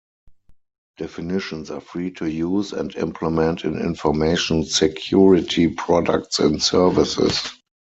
Definitions are free to use and implement in information security products and services.